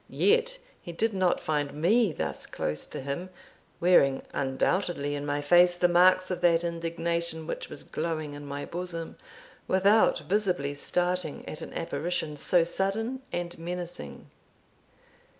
Yet he did not find me thus close to him, wearing undoubtedly in my face the marks of that indignation which was glowing in my bosom, without visibly starting at an apparition so sudden and menacing.